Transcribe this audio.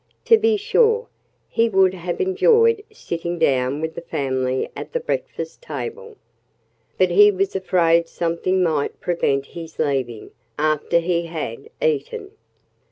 To be sure, he would have enjoyed sitting down with the family at the breakfast table. But he was afraid something might prevent his leaving after he had eaten.